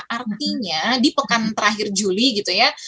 artinya di pekan terakhir juli gitu ya